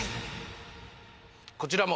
こちらも。